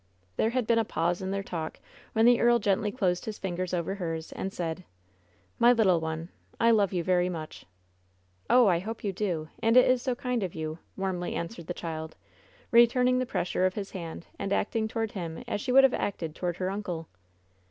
There had been a pause in their talk, when the earl gently closed his fingers over hers, and said: "My little one, I love you very much." "Oh, I hope you do, and it is so kind of you!" warmly answered the child, returning the pressure of his hand and acting toward him as she would have acted toward her uncle.